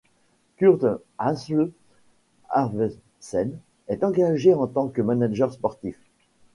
Kurt Asle Arvesen est engagé en tant que manager sportif.